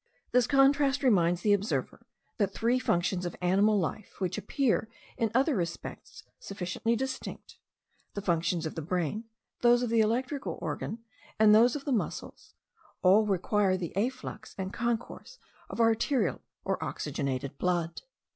This contrast reminds the observer, that three functions of animal life, which appear in other respects sufficiently distinct the functions of the brain, those of the electrical organ, and those of the muscles, all require the afflux and concourse of arterial or oxygenated blood.